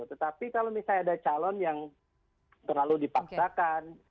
tetapi kalau misalnya ada calon yang terlalu dipaksakan